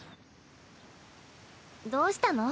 どうしたの？